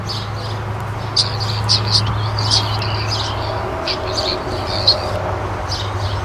Sein einziges Tor erzielte er im Vorrundenspiel gegen Malaysia.